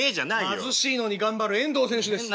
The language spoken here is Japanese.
貧しいのに頑張る遠藤選手です。